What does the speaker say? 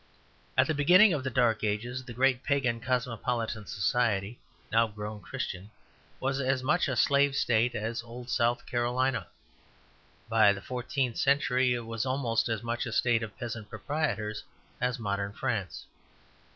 At the beginning of the Dark Ages the great pagan cosmopolitan society now grown Christian was as much a slave state as old South Carolina. By the fourteenth century it was almost as much a state of peasant proprietors as modern France.